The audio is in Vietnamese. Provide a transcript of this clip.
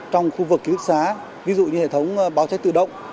trong khu vực ký túc xá ví dụ như hệ thống báo cháy tự động